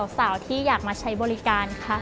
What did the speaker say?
สาวที่อยากมาใช้บริการค่ะ